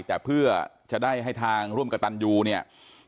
แต่เพื่อจะได้ให้ทางร่วมกับตันยูเนี่ย